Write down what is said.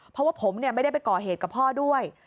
เพราะว่าผมไม่ได้ไปก่อเหตุกับพ่อด้วย